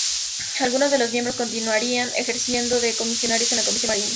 Algunos de los miembros continuarían ejerciendo de comisarios en la Comisión Marín.